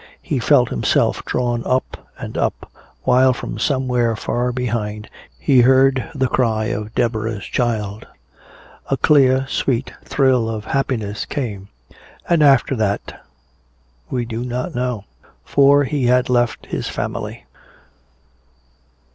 He felt himself drawn up and up while from somewhere far behind he heard the cry of Deborah's child. A clear sweet thrill of happiness came. And after that we do not know. For he had left his family.